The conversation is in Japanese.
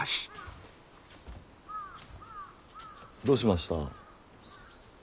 どうしました？